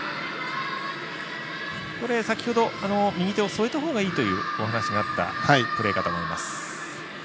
先ほど、右手を添えたほうがいいというお話があったプレーかと思います。